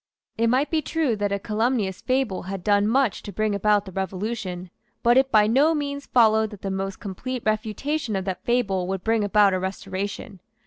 It might be true that a calumnious fable had done much to bring about the Revolution. But it by no means followed that the most complete refutation of that fable would bring about a Restoration.